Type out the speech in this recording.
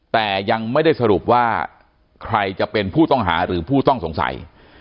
แต่ยังไม่ได้สรุปว่าใครจะเป็นผู้ต้องหาหรือผู้ต้องสงสัย